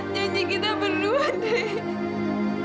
janji kita berdua ndre